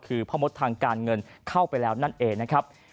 คือพ่อมดทางการเงินเข้าไปแล้วนั่นเองนะครับ